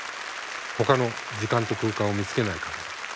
ほかの時間と空間を見つけない限り。